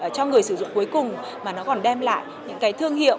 cho người sử dụng cuối cùng mà nó còn đem lại những cái thương hiệu